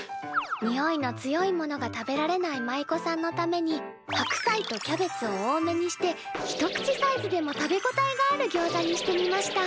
においの強いものが食べられない舞妓さんのために白菜とキャベツを多めにして一口サイズでも食べ応えがあるギョウザにしてみました。